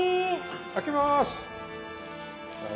開けます。